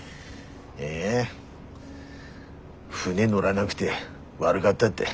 え船乗らなくて悪がったって。